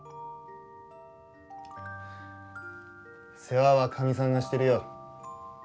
世話はカミさんがしてるよ。